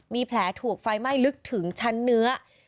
มีแผลถูกไฟไหม้ลึกถึงชั้นเนื้อ